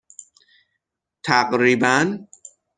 تقریباً